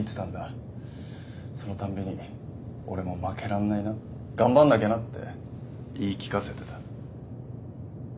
その度に俺も負けらんないな頑張んなきゃなって言い聞かせてた。